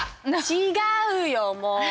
違うよもう！